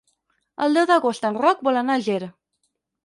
El deu d'agost en Roc vol anar a Ger.